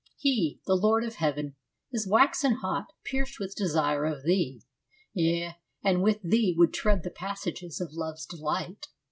He, the Lord of Heaven, Is waxen hot, pierced with desire of thee, Yea, and with thee would tread the passages Of love's delight.